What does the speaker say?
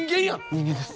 人間です。